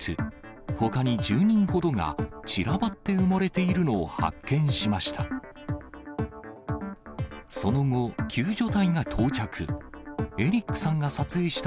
ほかに１０人ほどが散らばって埋もれているのを発見しました。